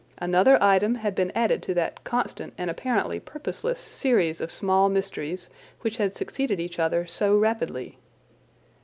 Another item had been added to that constant and apparently purposeless series of small mysteries which had succeeded each other so rapidly.